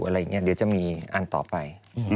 อะไรอย่างนี้เดี๋ยวจะมีอันต่อไป